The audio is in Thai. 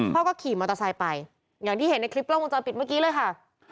พ่อก็ขี่มอเตอร์ไซค์ไปอย่างที่เห็นในคลิปกล้องวงจรปิดเมื่อกี้เลยค่ะ